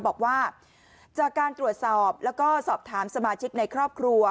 บอกว่าจากการตรวจสอบแล้วก็สอบถามสมาชิกในครอบครัว